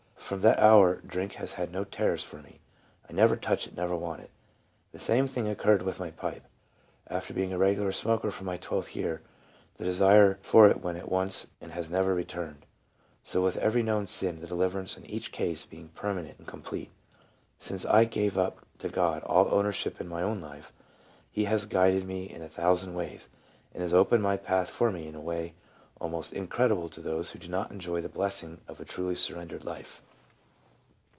From that hour drink has had no terrors for me ; I never touch it, never want it. The same thing occurred with my pipe : after being a regular smoker from my twelfth year, the desire for it went at once and has never returned. So with every known sin, the deliverance in each case being permanent and complete Since I gave up to God all ownership in my own life, He has guided me in a thousand ways, and has opened my path for me in a way almost incredible to those who do not enjoy the blessing of a truly surrendered life."